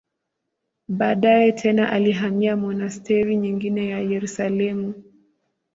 Baadaye tena alihamia monasteri nyingine za Yerusalemu.